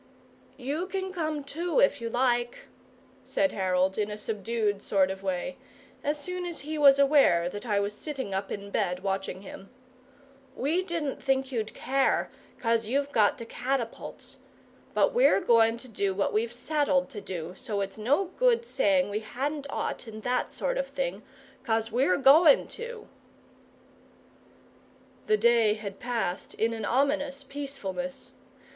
"You can come too if you like," said Harold, in a subdued sort of way, as soon as he was aware that I was sitting up in bed watching him. "We didn't think you'd care, 'cos you've got to catapults. But we're goin' to do what we've settled to do, so it's no good sayin' we hadn't ought and that sort of thing, 'cos we're goin' to!" The day had passed in an ominous peacefulness.